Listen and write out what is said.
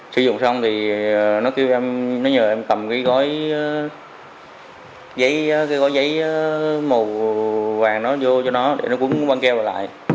sử dụng xong thì nó nhờ em cầm cái gói giấy màu vàng nó vô cho nó để nó cúng băng keo vào lại